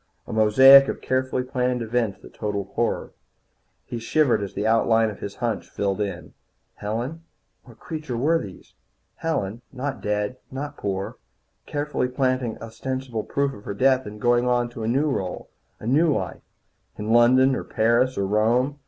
A mosaic of carefully planned events that totalled horror. He shivered as the outlines of his hunch filled in. Helen what creatures were these? Helen not dead, not poor, carefully planting ostensible proof of her death and going on to a new role, a new life, in London or Paris or Rome.